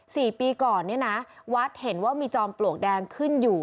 สี่ปีก่อนเนี่ยนะวัดเห็นว่ามีจอมปลวกแดงขึ้นอยู่